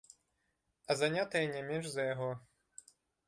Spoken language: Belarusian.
А занятая не менш за яго.